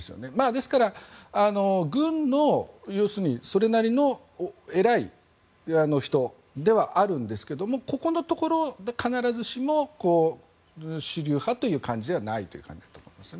ですから、軍のそれなりの偉い人ではあるんですがここのところ、必ずしも主流派という感じではないと思います。